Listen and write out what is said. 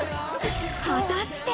果たして？